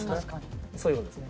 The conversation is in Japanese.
そういう事ですね。